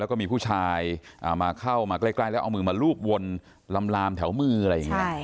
แล้วก็มีผู้ชายมาเข้ามาใกล้แล้วเอามือมาลูบวนลามแถวมืออะไรอย่างนี้